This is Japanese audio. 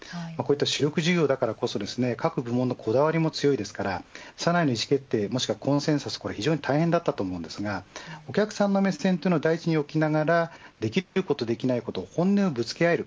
主力事業だからこそ各部門のこだわりも強いですからさらに意思決定コンセンサスが非常に大変だったと思うんですがお客さんの目線を第一に置きながらできることできないこと本音をぶつけ合える